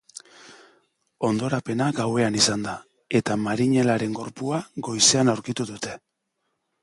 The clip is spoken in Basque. Hondorapena gauean izan da, eta marinelaren gorpua goizean aurkitu dute.